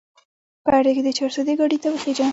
په اډه کښې د چارسدې ګاډي ته وخېژه